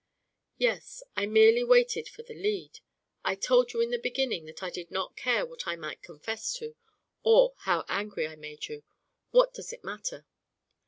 "Yes. I merely waited for the lead. I told you in the beginning that I did not care what I might confess to, or how angry I made you. What does it matter?"